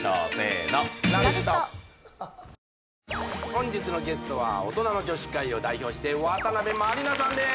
本日のゲストは大人の女史会を代表して渡辺満里奈さんです